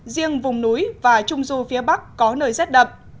riêng vùng núi và trung du phía bắc có nơi rét đậm